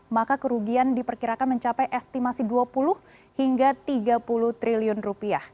maka kerugian diperkirakan mencapai estimasi dua puluh hingga tiga puluh triliun rupiah